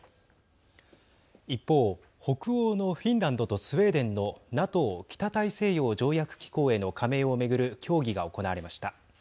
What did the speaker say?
一方、北欧のフィンランドとスウェーデンのＮＡＴＯ＝北大西洋条約機構への加盟をめぐる協議が行われました。